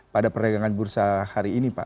pada perdagangan bursa hari ini pak